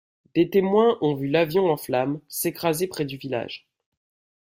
Des témoins ont vu l'avion en flamme s'écraser près du village.